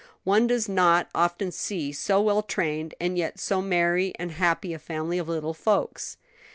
One does not often see so well trained and yet so merry and happy a family of little folks.